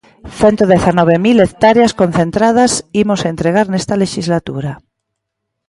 Cento dezanove mil hectáreas concentradas imos entregar nesta lexislatura.